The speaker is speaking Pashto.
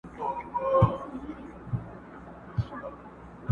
ور کول مو پر وطن باندي سرونه!!